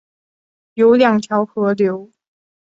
有二条河流